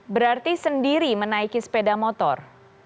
berarti sendiri menaiki sepeda motor